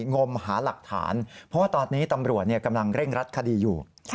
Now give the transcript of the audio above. งมหาหลักฐานเพราะว่าตอนนี้ตำรวจกำลังเร่งรัดคดีอยู่